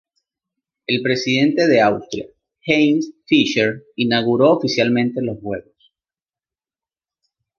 El Presidente de Austria, Heinz Fischer, inauguró oficialmente los juegos.